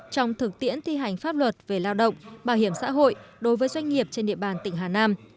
trong thực tiễn thi hành pháp luật về lao động bảo hiểm xã hội đối với doanh nghiệp trên địa bàn tỉnh hà nam